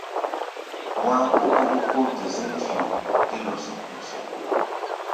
Wá̧á̧ kó ó ókó-de-zɛ̌ŋ-fio dé lɔsɔk-lɔsɔk.